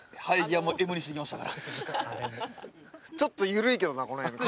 ちょっと緩いけどなこの辺の角度が。